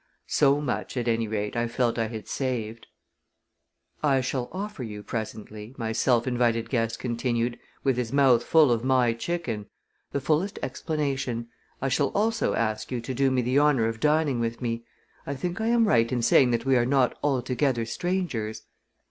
So much, at any rate, I felt I had saved! "I shall offer you presently," my self invited guest continued, with his mouth full of my chicken, "the fullest explanation. I shall also ask you to do me the honor of dining with me. I think I am right in saying that we are not altogether strangers?"